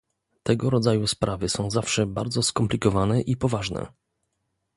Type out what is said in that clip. Tego rodzaju sprawy są zawsze bardzo skomplikowane i poważne